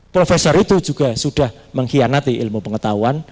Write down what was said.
profesor itu juga sudah mengkhianati ilmu pengetahuan